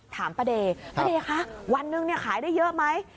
ถามป้าเดย์ป้าเดย์คะวันหนึ่งเนี่ยขายได้เยอะไหม